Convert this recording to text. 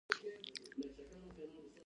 د البیروني پوهنتون په کاپیسا کې دی